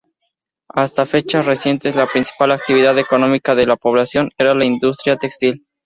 Hasta fechas recientes la principal actividad económica de la población era la industria textil.